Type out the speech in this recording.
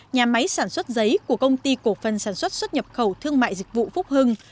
nhà máy sản xuất giấy của công ty cổ phần sản xuất xuất nhập khẩu thương mại dịch vụ phúc hưng